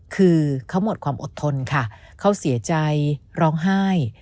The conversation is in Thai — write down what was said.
คือเขาหมดความอดทนค่ะเขาเสียใจร้องไห้